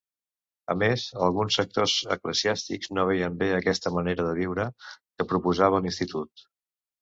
A més, alguns sectors eclesiàstics no veien bé aquesta manera de viure que proposava l'institut.